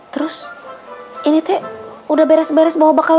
terus ini teh udah beres beres bawa bakar ke rumah